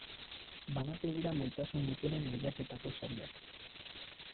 Banatu dira Maitasun Gutunen lehiaketako sariak.